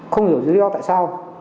không hiểu dưới do tại sao